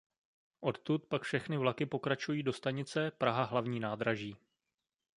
Odtud pak všechny vlaky pokračují do stanice Praha hlavní nádraží.